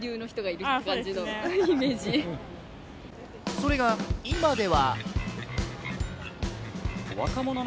それが今では。